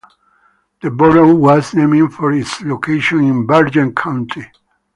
The borough was named for its location in Bergen County.